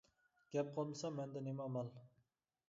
— گەپ قىلمىسا مەندە نېمە ئامال.